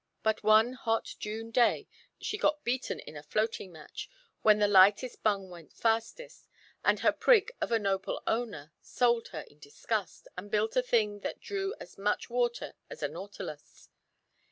But one hot June day she got beaten in a floating match, when the lightest bung went fastest, and her prig of a "noble owner" sold her in disgust, and built a thing that drew as much water as a nautilus.